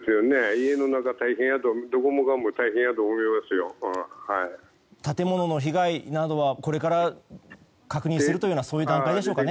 家の中、どこも建物の被害などはこれから確認するという段階でしょうかね。